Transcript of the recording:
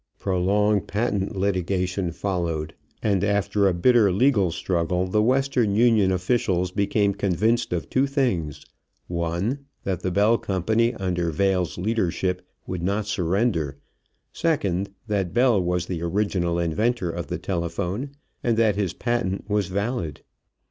Prolonged patent litigation followed, and after a bitter legal struggle the Western Union officials became convinced of two things: one, that the Bell company, under Vail's leadership, would not surrender; second, that Bell was the original inventor of the telephone and that his patent was valid.